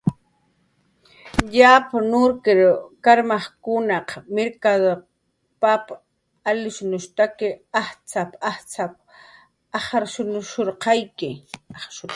"Yapn nurkir karmajkunaq mirkatn pap alshinushstak ajtz'ap"" ajtz'ap"" ajrshuurqayawi."